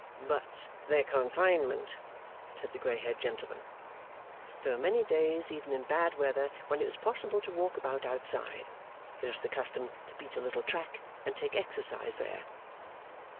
'But the confinement,' said the grey haired gentleman. There were many days, even in bad weather, when it was possible to walk about outside. It was the custom to beat a little track, and take exercise there.